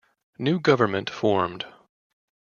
New government formed.